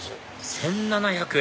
１７００円